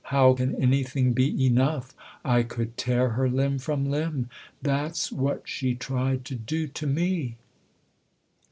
" How can anything be enough ? I could tear her limb from limb. That's what she tried to do to me